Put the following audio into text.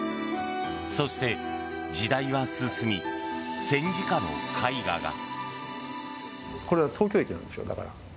そして、時代は進み戦時下の絵画が。